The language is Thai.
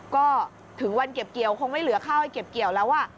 ก็ถึงวันเก็บเกี่ยวคงไม่เหลือข้าวให้เก็บเกี่ยวแล้ว